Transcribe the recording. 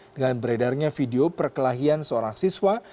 dengan beredarnya video perkelahian seorang siswa